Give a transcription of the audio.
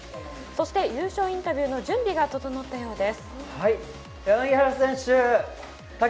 優勝インタビューの準備が整ったようです。